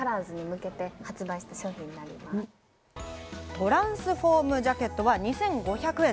トランスフォームジャケットは２５００円。